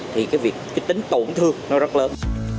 thì cái việc tính tổn thương nó rất lớn